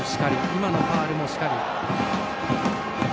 今のファウルもしかり。